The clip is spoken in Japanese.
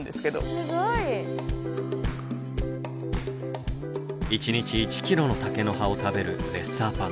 すごい。一日１キロの竹の葉を食べるレッサーパンダ。